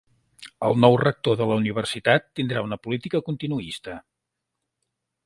El nou rector de la universitat tindrà una política continuista